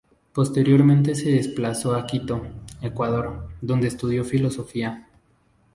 Posteriormente se desplazó a Quito, Ecuador, donde estudió filosofía.